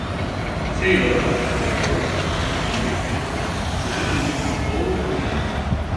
Taylor was the first African American to win an Olympic gold medal.